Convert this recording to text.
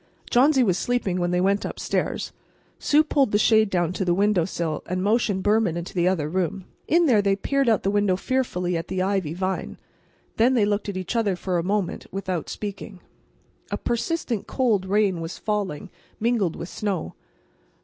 Johnsy was sleeping when they went upstairs. Sue pulled the shade down to the window sill, and motioned Behrman into the other room. In there they peered out the window fearfully at the ivy vine. Then they looked at each other for a moment without speaking. A persistent, cold rain was falling, mingled with snow.